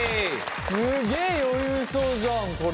すっげえ余裕そうじゃんこれ。